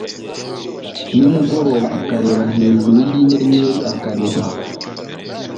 nimugoroba akareba hejuru yinyenyeri akaniha